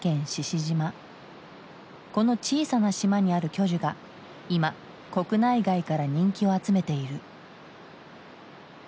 この小さな島にある巨樹が今国内外から人気を集めている。